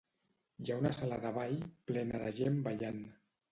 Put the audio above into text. Hi ha una sala de ball plena de gent ballant.